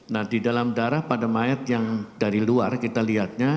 nah di dalam darah pada mayat yang dari luar kita lihatnya